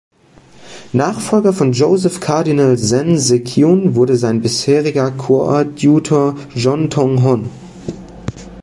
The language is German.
Nachfolger von Joseph Kardinal Zen Ze-kiun wurde sein bisheriger Koadjutor, John Tong Hon.